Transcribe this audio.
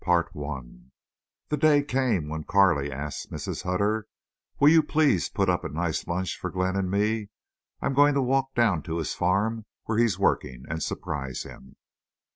CHAPTER VII The day came when Carley asked Mrs. Hutter: "Will you please put up a nice lunch for Glenn and me? I'm going to walk down to his farm where he's working, and surprise him."